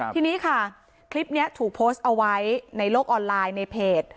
ทีนี้ค่ะคลิปนี้ถูกโพสต์เอาไว้ในโลกออนไลน์ในเพจ